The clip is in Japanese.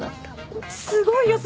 すごいよ雀。